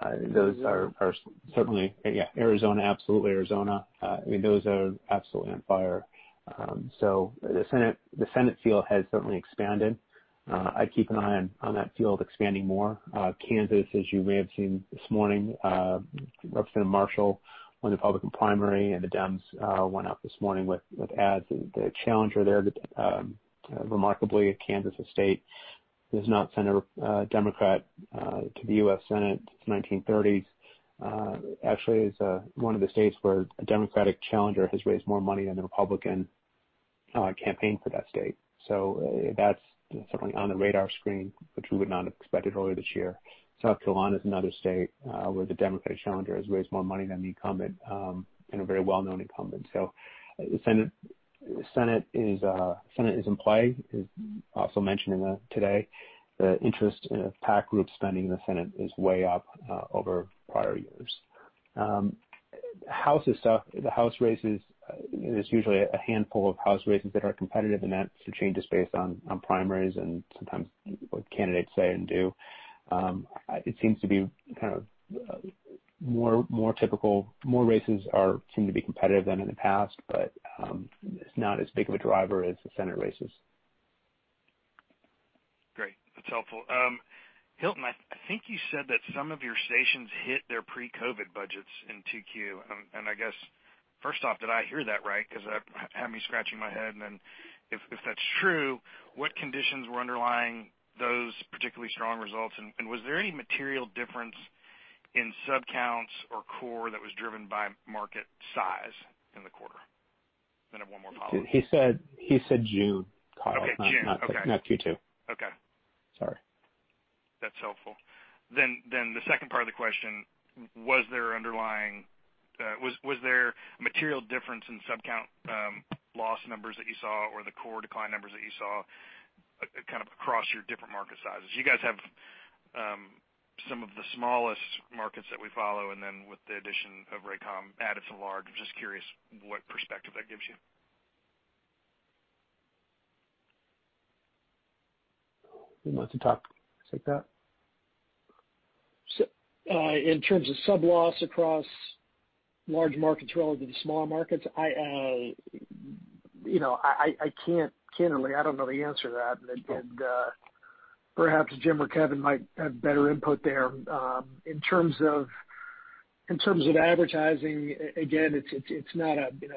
Yeah, Arizona, absolutely Arizona. Those are absolutely on fire. The Senate field has certainly expanded. I'd keep an eye on that field expanding more. Kansas, as you may have seen this morning, Representative Marshall won the Republican primary, and the Dems went up this morning with ads. The challenger there, remarkably, a Kansas state, has not sent a Democrat to the U.S. Senate since 1930s. Actually, it's one of the states where a Democratic challenger has raised more money than a Republican campaign for that state. That's certainly on the radar screen, which we would not have expected earlier this year. South Carolina is another state where the Democratic challenger has raised more money than the incumbent, and a very well-known incumbent. The Senate is in play. As also mentioned today, the interest in PAC group spending in the Senate is way up over prior years. The House races, there's usually a handful of House races that are competitive, and that changes based on primaries and sometimes what candidates say and do. It seems to be kind of more typical. More races seem to be competitive than in the past. It's not as big of a driver as the Senate races. Great. That's helpful. Hilton, I think you said that some of your stations hit their pre-COVID budgets in 2Q. I guess, first off, did I hear that right? Because that had me scratching my head. If that's true, what conditions were underlying those particularly strong results? Was there any material difference in sub counts or core that was driven by market size in the quarter? I have one more follow-up. He said June, Kyle- Okay, June. Okay not Q2. Okay. Sorry. That's helpful. The second part of the question, was there material difference in sub count loss numbers that you saw or the core decline numbers that you saw, kind of across your different market sizes? You guys have some of the smallest markets that we follow, and then with the addition of Raycom added some large. I'm just curious what perspective that gives you. Who wants to talk, take that? In terms of sub-loss across large markets relative to smaller markets, I can't, or I don't know the answer to that. Okay. Perhaps Jim or Kevin might have better input there. In terms of advertising, again,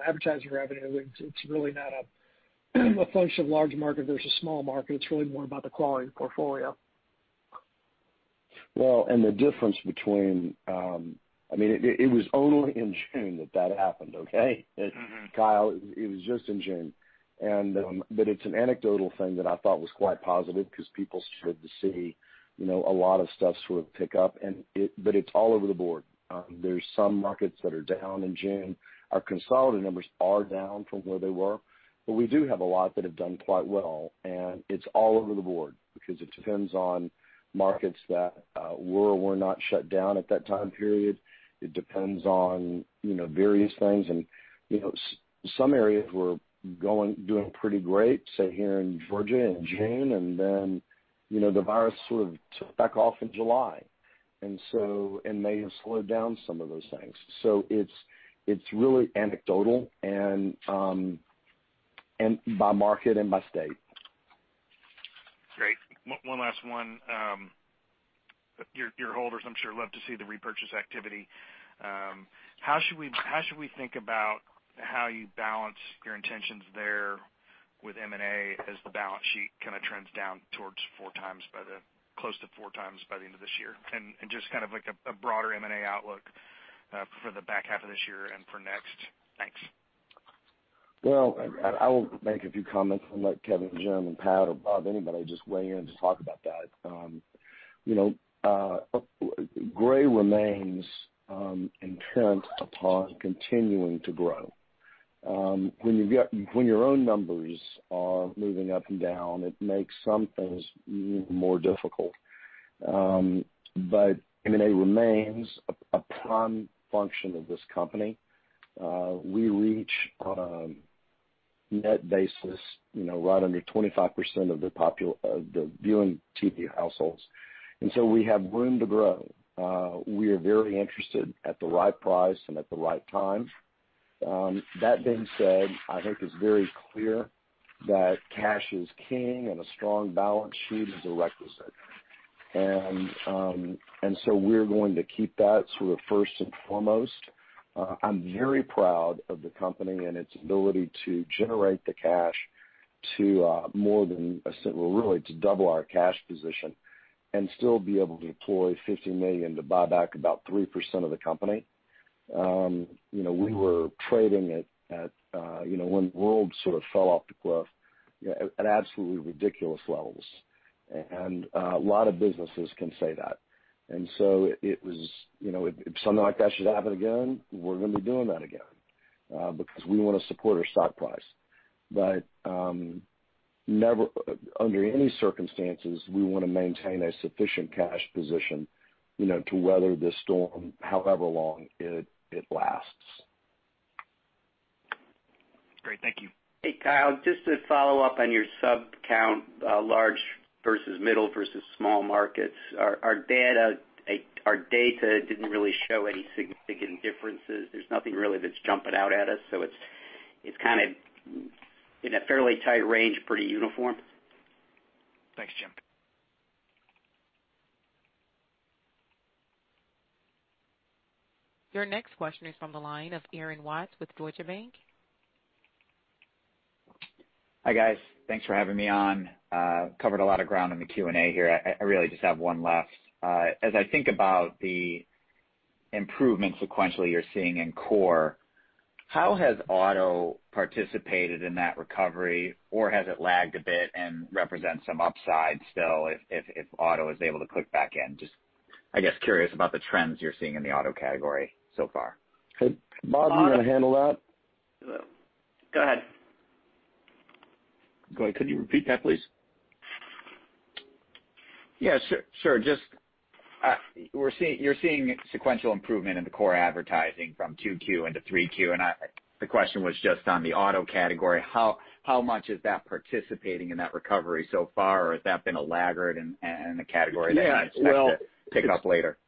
advertising revenue, it's really not a function of large market versus small market. It's really more about the quality of the portfolio. Well, the difference between It was only in June that that happened, okay? Kyle, it was just in June. It's an anecdotal thing that I thought was quite positive because people started to see a lot of stuff sort of pick up, but it's all over the board. There's some markets that are down in June. Our consolidated numbers are down from where they were, but we do have a lot that have done quite well, and it's all over the board because it depends on markets that were or were not shut down at that time period. It depends on various things, some areas were doing pretty great, say here in Georgia, in June, and then the virus sort of took back off in July, and may have slowed down some of those things. It's really anecdotal and by market and by state. Great. One last one. Your holders, I'm sure, love to see the repurchase activity. How should we think about how you balance your intentions there with M&A as the balance sheet kind of trends down towards close to 4x by the end of this year? Just kind of like a broader M&A outlook for the back half of this year and for next? Thanks. I will make a few comments and let Kevin, Jim and Pat or Bob, anybody just weigh in to talk about that. Gray remains intent upon continuing to grow. When your own numbers are moving up and down, it makes some things even more difficult. M&A remains a prime function of this company. We reach, on a net basis, right under 25% of the viewing TV households, we have room to grow. We are very interested at the right price and at the right time. That being said, I think it's very clear that cash is king and a strong balance sheet is a requisite. We're going to keep that sort of first and foremost. I'm very proud of the company and its ability to generate the cash to more than, well, really to double our cash position and still be able to deploy $50 million to buy back about 3% of the company. We were trading at, when the world sort of fell off the cliff, at absolutely ridiculous levels. A lot of businesses can say that. If something like that should happen again, we're going to be doing that again because we want to support our stock price. Under any circumstances, we want to maintain a sufficient cash position to weather this storm, however long it lasts. Great. Thank you. Hey, Kyle, just to follow up on your sub count, large versus middle versus small markets, our data didn't really show any significant differences. There's nothing really that's jumping out at us, so it's kind of in a fairly tight range, pretty uniform. Thanks, Jim. Your next question is from the line of Aaron Watts with Deutsche Bank. Hi, guys. Thanks for having me on. Covered a lot of ground in the Q&A here. I really just have one left. As I think about the improvement sequentially you're seeing in core, how has auto participated in that recovery? Or has it lagged a bit and represents some upside still if auto is able to click back in? Just, I guess, curious about the trends you're seeing in the auto category so far? Hey, Bob, do you want to handle that? Go ahead. Go ahead. Could you repeat that, please? Yeah, sure. You're seeing sequential improvement in the core advertising from 2Q into 3Q. The question was just on the auto category. How much is that participating in that recovery so far, or has that been a laggard and a category that you expect? Yeah. pick up later?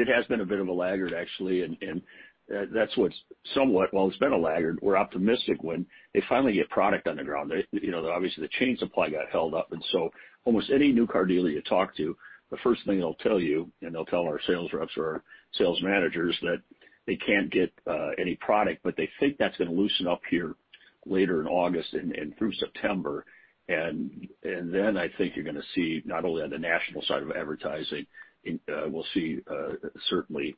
It has been a bit of a laggard, actually, and that's what's somewhat, while it's been a laggard, we're optimistic when they finally get product on the ground. Obviously, the supply chain got held up, so almost any new car dealer you talk to, the first thing they'll tell you, and they'll tell our sales reps or our sales managers that they can't get any product, but they think that's going to loosen up here later in August and through September. Then I think you're going to see not only on the national side of advertising, we'll see, certainly,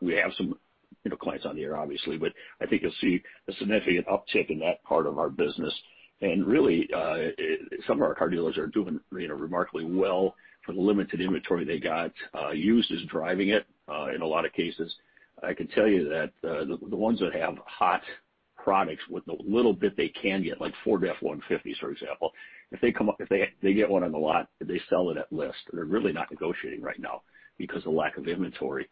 we have some clients on the air, obviously. I think you'll see a significant uptick in that part of our business. Really, some of our car dealers are doing remarkably well for the limited inventory they got. Used is driving it in a lot of cases. I can tell you that the ones that have hot products with the little bit they can get, like Ford F-150s, for example. If they get one on the lot, they sell it at list. They're really not negotiating right now because of lack of inventory.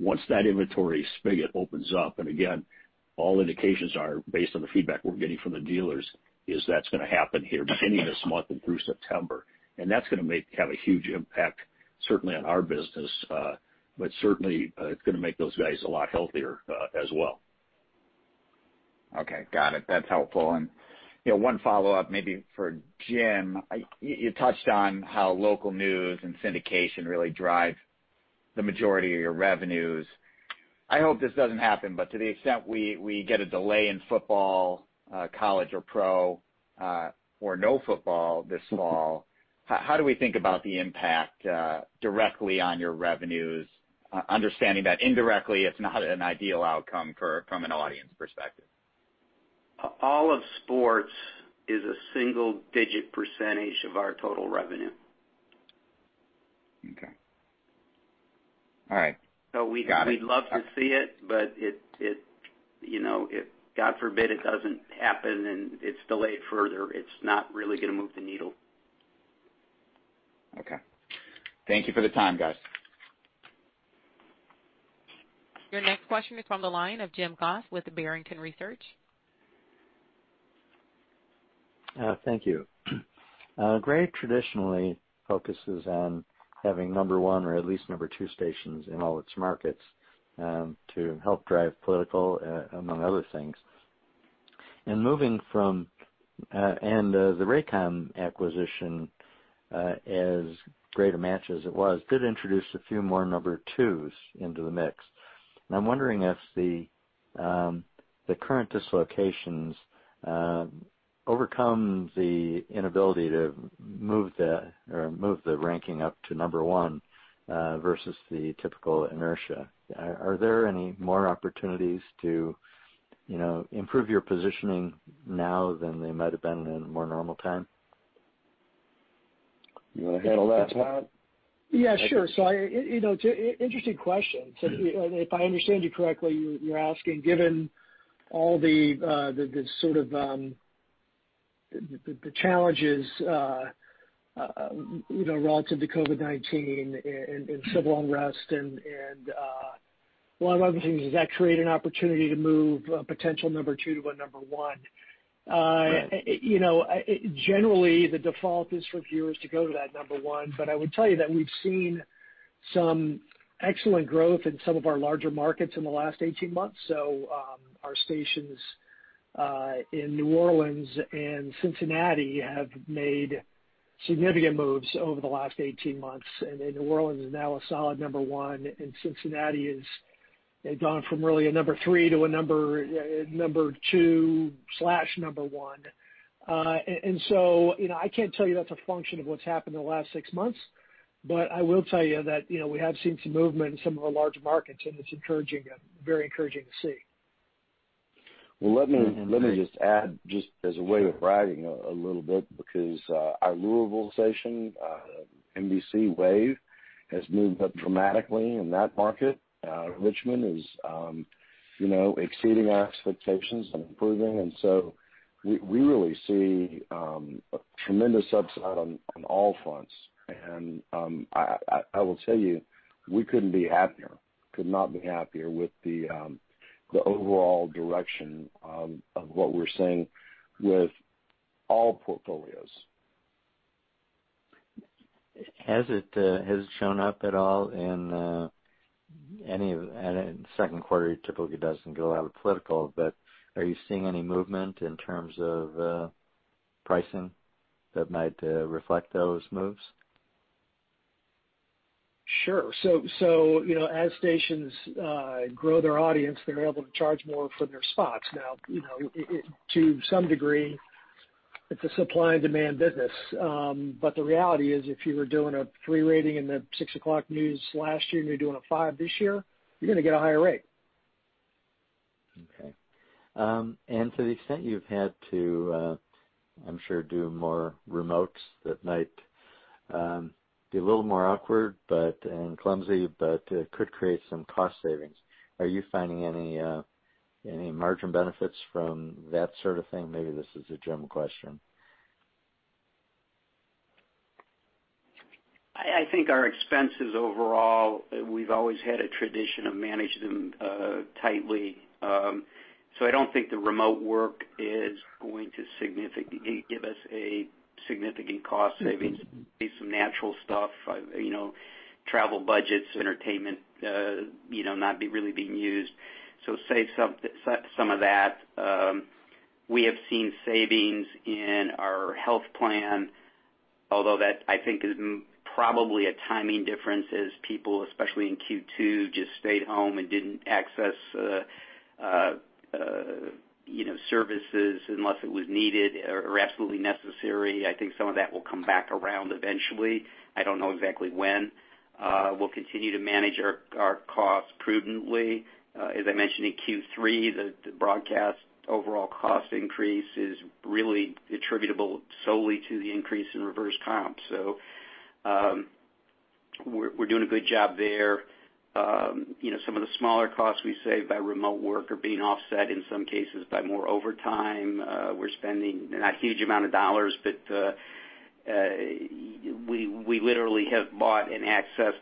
Once that inventory spigot opens up, and again, all indications are based on the feedback we're getting from the dealers, is that's going to happen here beginning this month and through September. That's going to have a huge impact, certainly on our business. Certainly, it's going to make those guys a lot healthier as well. Okay. Got it. That's helpful. One follow-up, maybe for Jim. You touched on how local news and syndication really drive the majority of your revenues. I hope this doesn't happen, but to the extent we get a delay in football, college or pro, or no football this fall, how do we think about the impact directly on your revenues, understanding that indirectly it's not an ideal outcome from an audience perspective? All of sports is a single-digit percentage of our total revenue. Okay. All right. Got it. We'd love to see it, but if, God forbid, it doesn't happen and it's delayed further, it's not really going to move the needle. Okay. Thank you for the time, guys. Your next question is from the line of Jim Goss with Barrington Research. Thank you. Gray traditionally focuses on having number one or at least number two stations in all its markets to help drive political, among other things. The Raycom acquisition, as great a match as it was, did introduce a few more number twos into the mix. I'm wondering if the current dislocations overcome the inability to move the ranking up to number one versus the typical inertia. Are there any more opportunities to improve your positioning now than there might've been in a more normal time? You want to handle that, Pat? Yeah, sure. It's an interesting question. If I understand you correctly, you're asking, given all the challenges relative to COVID-19 and civil unrest and a lot of other things, does that create an opportunity to move a potential number two to a number one? Right. Generally, the default is for viewers to go to that number one, but I would tell you that we've seen some excellent growth in some of our larger markets in the last 18 months. Our stations in New Orleans and Cincinnati have made significant moves over the last 18 months. New Orleans is now a solid number one, and Cincinnati has gone from really a number three to a number two/number one. I can't tell you that's a function of what's happened in the last six months, but I will tell you that we have seen some movement in some of our larger markets, and it's very encouraging to see. Let me just add, just as a way of bragging a little bit, because our Louisville station, NBC WAVE, has moved up dramatically in that market. Richmond is exceeding our expectations and improving. We really see a tremendous upside on all fronts. I will tell you, we couldn't be happier, could not be happier with the overall direction of what we're seeing with all portfolios. Has it shown up at all? Second quarter typically doesn't go out with political, but are you seeing any movement in terms of pricing that might reflect those moves? Sure. As stations grow their audience, they're able to charge more for their spots. To some degree, it's a supply and demand business. The reality is, if you were doing a three rating in the 6:00 news last year, and you're doing a five this year, you're going to get a higher rate. Okay. To the extent you've had to, I'm sure do more remotes that might be a little more awkward and clumsy, but could create some cost savings. Are you finding any margin benefits from that sort of thing? Maybe this is a Jim question. I think our expenses overall, we've always had a tradition of managing them tightly. I don't think the remote work is going to give us a significant cost savings. Be some natural stuff, travel budgets, entertainment not really being used. Save some of that. We have seen savings in our health plan. Although that, I think, is probably a timing difference as people, especially in Q2, just stayed home and didn't access services unless it was needed or absolutely necessary. I think some of that will come back around eventually. I don't know exactly when. We'll continue to manage our costs prudently. As I mentioned in Q3, the broadcast overall cost increase is really attributable solely to the increase in reverse comp. We're doing a good job there. Some of the smaller costs we save by remote work are being offset, in some cases, by more overtime. We're spending not a huge amount of dollars, but we literally have bought and accessed,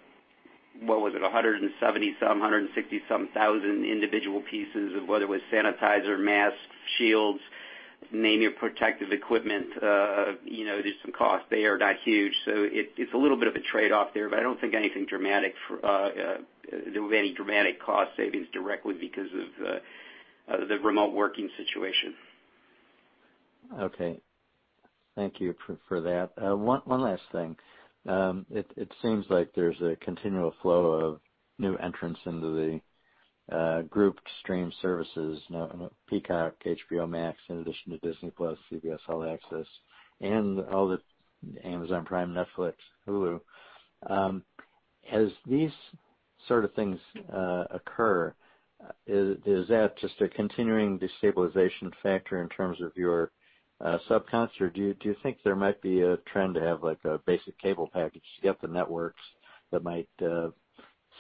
what was it? 170-some, 160-some thousand individual pieces of whether it was sanitizer, masks, shields, name your protective equipment. There's some costs there, not huge. It's a little bit of a trade-off there, but I don't think there will be any dramatic cost savings directly because of the remote working situation. Okay. Thank you for that. One last thing. It seems like there's a continual flow of new entrants into the grouped stream services, Peacock, HBO Max, in addition to Disney+, CBS All Access, and all the Amazon Prime, Netflix, Hulu. As these sort of things occur, is that just a continuing destabilization factor in terms of your sub counts? Or do you think there might be a trend to have a basic cable package to get the networks that might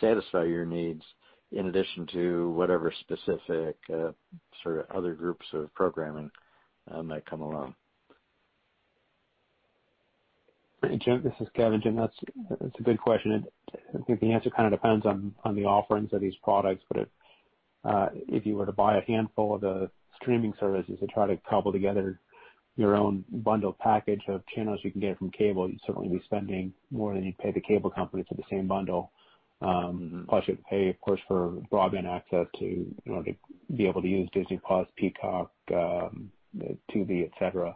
satisfy your needs in addition to whatever specific sort of other groups of programming might come along? Jim, this is Kevin. Jim, that's a good question, and I think the answer kind of depends on the offerings of these products. If you were to buy a handful of the streaming services to try to cobble together your own bundled package of channels you can get from cable, you'd certainly be spending more than you'd pay the cable company for the same bundle. You'd pay, of course, for broadband access to be able to use Disney+, Peacock, Tubi, et cetera.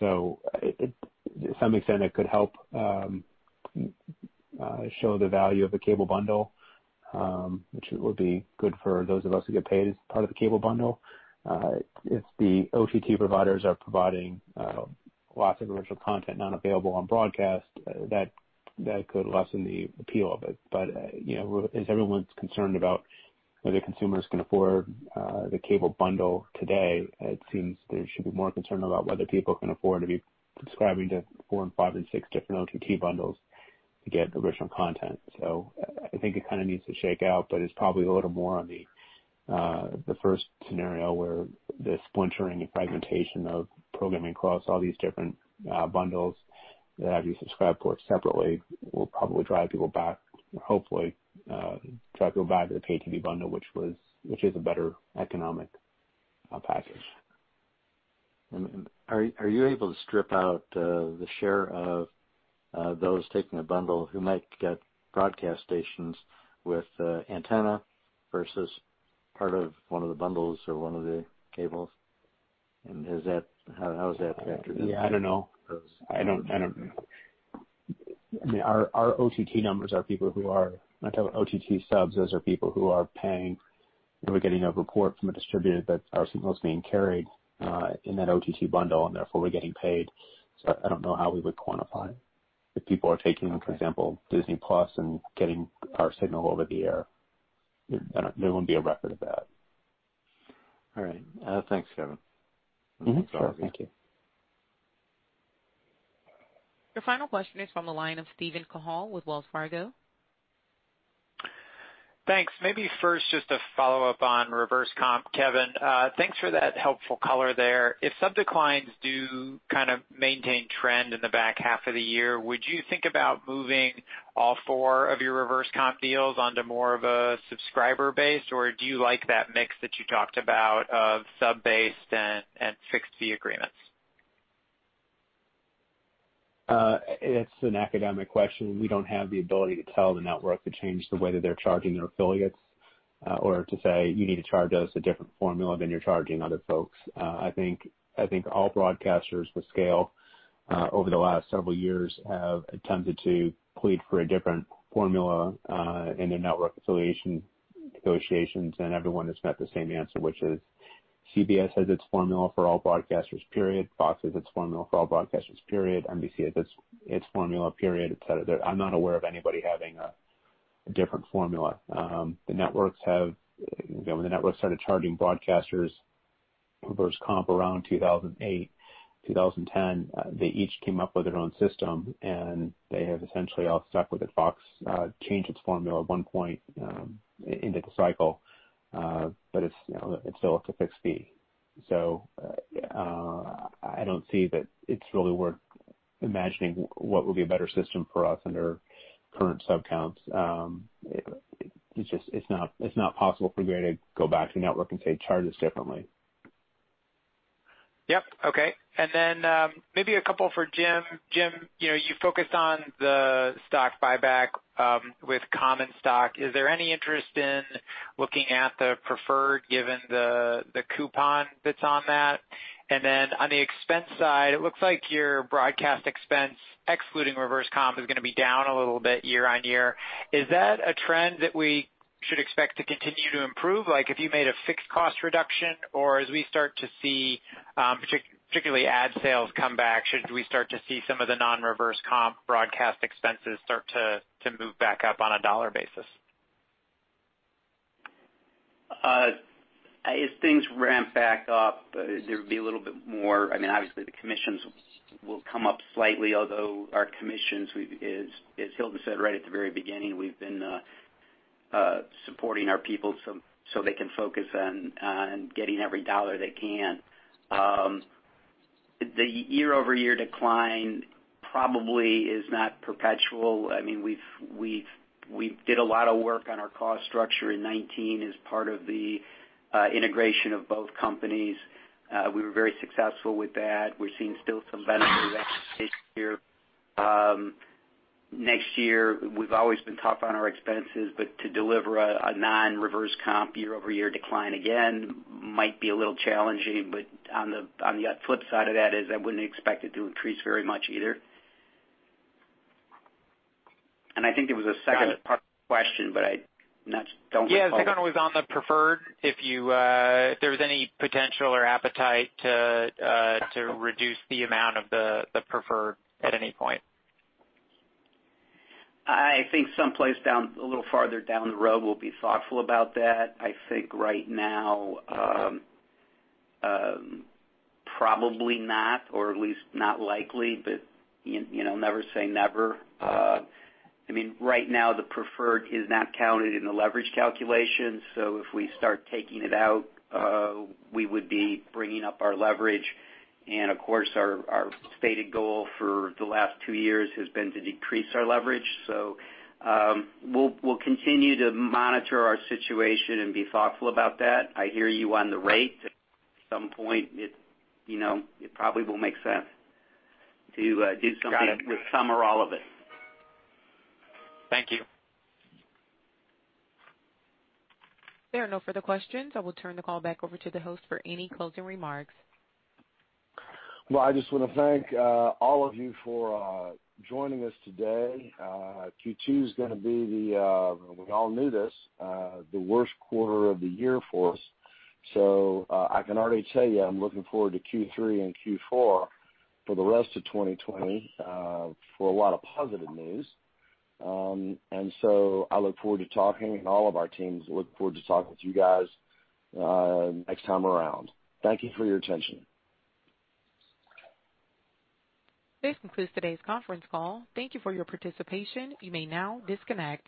To some extent, it could help show the value of the cable bundle, which would be good for those of us who get paid as part of the cable bundle. If the OTT providers are providing lots of original content not available on broadcast, that could lessen the appeal of it. As everyone's concerned about whether consumers can afford the cable bundle today, it seems they should be more concerned about whether people can afford to be subscribing to four and five and six different OTT bundles to get original content. I think it kind of needs to shake out, but it's probably a little more on the first scenario, where the splintering and fragmentation of programming across all these different bundles that have you subscribe for it separately, will probably drive people back, hopefully, drive people back to the pay TV bundle, which is a better economic package. Are you able to strip out the share of those taking a bundle who might get broadcast stations with antenna versus part of one of the bundles or one of the cables? How is that factored in? Yeah, I don't know. I mean, our OTT numbers are people when I talk about OTT subs, those are people who are paying, who we're getting a report from a distributor that our signal's being carried in that OTT bundle, and therefore we're getting paid. I don't know how we would quantify if people are taking, for example, Disney+ and getting our signal over the air. There wouldn't be a record of that. All right. Thanks, Kevin. Mm-hmm. Sure. Thank you. Your final question is from the line of Steven Cahall with Wells Fargo. Thanks. Maybe first, just a follow-up on reverse comp. Kevin, thanks for that helpful color there. If sub declines do kind of maintain trend in the back half of the year, would you think about moving all four of your reverse comp deals onto more of a subscriber base? Do you like that mix that you talked about of sub-based and fixed-fee agreements? It's an academic question. We don't have the ability to tell the network to change the way that they're charging their affiliates or to say, "You need to charge us a different formula than you're charging other folks." I think all broadcasters with scale over the last several years have attempted to plead for a different formula in their network affiliation negotiations, and everyone has got the same answer, which is CBS has its formula for all broadcasters, period. Fox has its formula for all broadcasters, period. NBC has its formula, period, et cetera. I'm not aware of anybody having a different formula. When the networks started charging broadcasters reverse comp around 2008, 2010, they each came up with their own system, and they have essentially all stuck with it. Fox changed its formula at one point into the cycle, but it's still up to fixed fee. I don't see that it's really worth imagining what would be a better system for us under current sub counts. It's not possible for Gray to go back to the network and say, "Charge us differently. Yep. Okay. Maybe a couple for Jim. Jim, you focused on the stock buyback with common stock. Is there any interest in looking at the preferred given the coupon that's on that? On the expense side, it looks like your broadcast expense, excluding reverse comp, is going to be down a little bit year-on-year. Is that a trend that we should expect to continue to improve, like if you made a fixed cost reduction? As we start to see, particularly ad sales come back, should we start to see some of the non-reverse comp broadcast expenses start to move back up on a dollar basis? As things ramp back up, there would be a little bit more. Obviously, the commissions will come up slightly, although our commissions, as Hilton said right at the very beginning, we've been supporting our people so they can focus on getting every dollar they can. The year-over-year decline probably is not perpetual. We did a lot of work on our cost structure in 2019 as part of the integration of both companies. We were very successful with that. We're seeing still some benefit of that next year. Next year, we've always been tough on our expenses, but to deliver a non-reverse comp year-over-year decline again might be a little challenging, but on the flip side of that is I wouldn't expect it to increase very much either. I think there was a second part to the question, but I don't recall. Yeah. The second was on the preferred. If there was any potential or appetite to reduce the amount of the preferred at any point. I think someplace a little farther down the road, we'll be thoughtful about that. I think right now, probably not, or at least not likely, but never say never. Right now, the preferred is not counted in the leverage calculation. If we start taking it out, we would be bringing up our leverage. Of course, our stated goal for the last two years has been to decrease our leverage. We'll continue to monitor our situation and be thoughtful about that. I hear you on the rate. At some point, it probably will make sense to do something. G ot it. with some or all of it. Thank you. There are no further questions. I will turn the call back over to the host for any closing remarks. Well, I just want to thank all of you for joining us today. Q2 is going to be the, we all knew this, the worst quarter of the year for us. I can already tell you, I'm looking forward to Q3 and Q4 for the rest of 2020 for a lot of positive news. I look forward to talking, and all of our teams look forward to talking with you guys next time around. Thank you for your attention. This concludes today's conference call. Thank you for your participation. You may now disconnect.